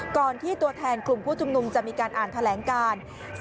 ที่ตัวแทนกลุ่มผู้ชุมนุมจะมีการอ่านแถลงการ